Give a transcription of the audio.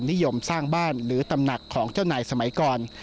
นิยมสร้างบ้านหรือตำหนักของเจ้านายสมัยก่อน